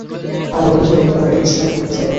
আমার বন্ধুও তোমার এই স্টাইল দেখতে চাইবে।